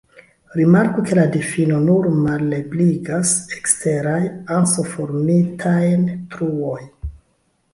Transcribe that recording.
Rimarku ke la difino nur malebligas eksteraj anso-formitajn truoj.